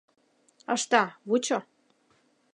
— Ышта, вучо!